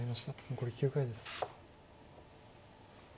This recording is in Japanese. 残り９回です。